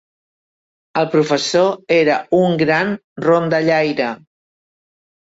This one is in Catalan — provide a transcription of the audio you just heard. El professor era un gran rondallaire.